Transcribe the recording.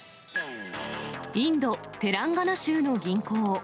インド・テランガナ州の銀行。